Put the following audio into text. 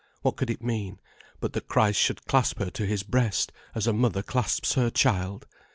What could it mean, but that Christ should clasp her to his breast, as a mother clasps her child?